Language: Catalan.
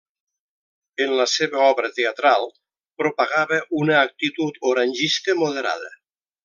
En la seva obra teatral propagava una actitud orangista moderada.